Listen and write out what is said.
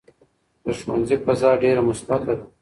د ښوونځي فضا ډېره مثبته ده.